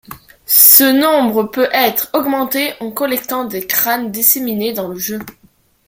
Ce nombre peut être augmenté en collectant des crânes disséminés dans le jeu.